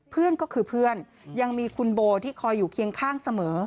เพื่อนก็คือเพื่อนยังมีคุณโบที่คอยอยู่เคียงข้างเสมอ